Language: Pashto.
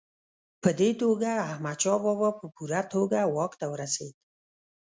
په دې توګه احمدشاه بابا په پوره توګه واک ته ورسېد.